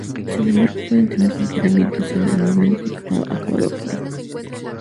Sin embargo, pueden tener cualquier ambientación o nivel de acabado gráfico.